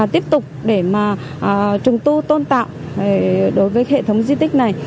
tiếp tục để mà trùng tu tôn tạo đối với hệ thống di tích này